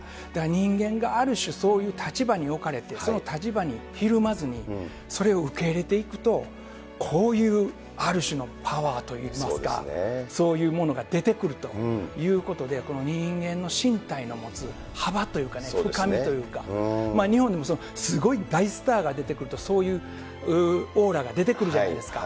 人間がある種、そういう立場に置かれて、その立場にひるまずに、それを受け入れていくと、こういうある種のパワーといいますか、そういうものが出てくるということで、人間の身体の持つ幅というか、深みというか、日本にもすごい大スターが出てくると、そういうオーラが出てくるじゃないですか。